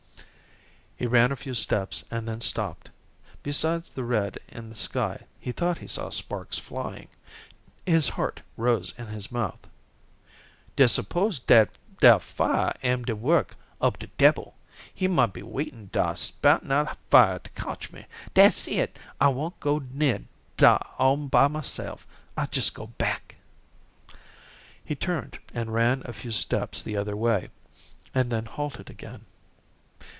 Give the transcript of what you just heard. He ran a few steps, and then stopped. Besides the red in the sky, he thought he saw sparks flying. His heart rose in his mouth. "Jes' s'pose dat dar fire am de work ob de debbil. He might be waitin' dar spoutin' out fire to kotch me. Dat's it. I won't go near dar all by myself. I'll jes' go back." He turned, and ran a few steps the other way, and then halted again.